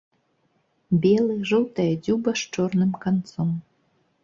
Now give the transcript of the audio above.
Белы, жоўтая дзюба з чорным канцом.